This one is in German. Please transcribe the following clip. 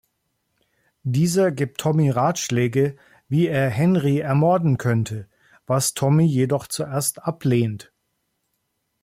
Dieser gibt Tommy Ratschläge, wie er Henry ermorden könnte, was Tommy jedoch zuerst ablehnt.